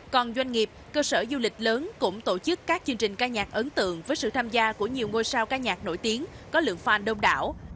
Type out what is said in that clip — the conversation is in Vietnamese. còn doanh nghiệp cơ sở du lịch lớn cũng tổ chức các chương trình ca nhạc ấn tượng với sự tham gia của nhiều ngôi sao ca nhạc nổi tiếng có lượng fan đông đảo